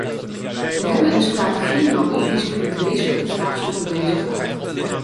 We hebben een strategie nodig die zich met wezenlijke vraagstukken bezighoudt.